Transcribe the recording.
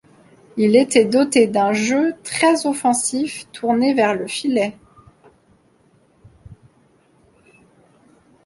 Il était doté d'un jeu très offensif tourné vers le filet.